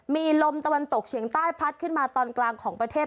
มีลมตะวันตกเฉียงใต้พัดขึ้นมาตอนกลางของประเทศ